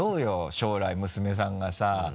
将来娘さんがさ。